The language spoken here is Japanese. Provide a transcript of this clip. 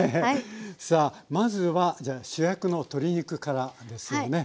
さあまずはじゃあ主役の鶏肉からですよね。